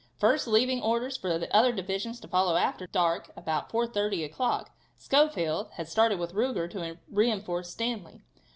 First leaving orders for the other divisions to follow after dark, about 4:30 o'clock, Schofield had started with Ruger to reinforce Stanley.